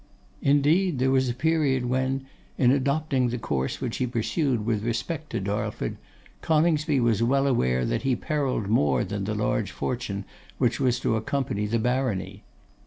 Indeed there was a period when, in adopting the course which he pursued with respect to Darlford, Coningsby was well aware that he perilled more than the large fortune which was to accompany the barony.